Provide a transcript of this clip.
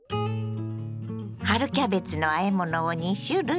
春キャベツのあえ物を２種類。